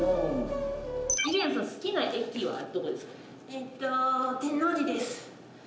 えっと天王寺です。